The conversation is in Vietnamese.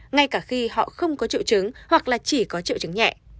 ngay cả khi họ không có triệu chứng hoặc là chỉ có triệu chứng nhẹ